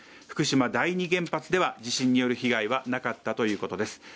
福島第２原発では、地震による被害はなかったということです。